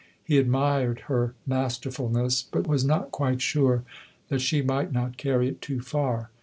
He admired her masterfulness, but was not quite sure that she might not carry it too far.